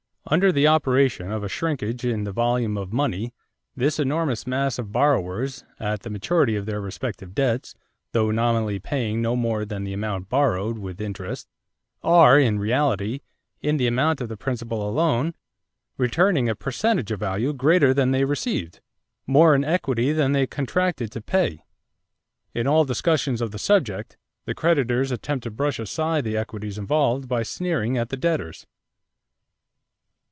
Under the operation of a shrinkage in the volume of money, this enormous mass of borrowers, at the maturity of their respective debts, though nominally paying no more than the amount borrowed, with interest, are in reality, in the amount of the principal alone, returning a percentage of value greater than they received more in equity than they contracted to pay.... In all discussions of the subject the creditors attempt to brush aside the equities involved by sneering at the debtors."